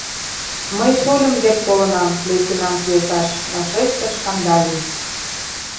— Мый шольым дек толынам, лейтенант йолташ, — вашештыш Кандалин.